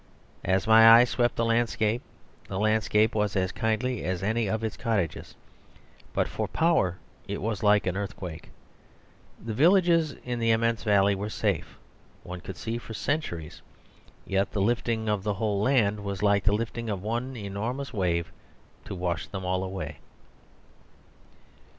As my eye swept the landscape, the landscape was as kindly as any of its cottages, but for power it was like an earthquake. The villages in the immense valley were safe, one could see, for centuries; yet the lifting of the whole land was like the lifting of one enormous wave to wash them all away.